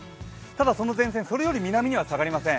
ただその前線、それより南には下がりません。